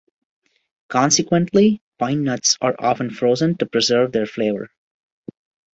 Consequently, pine nuts are often frozen to preserve their flavor.